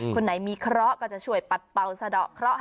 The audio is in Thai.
คนไหนมีเคราะห์ก็จะช่วยปัดเป่าสะดอกเคราะห์